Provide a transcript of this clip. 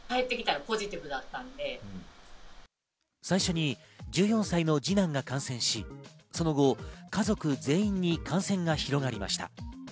最初に１４歳の二男が感染し、その後、家族全員に感染が広がりました。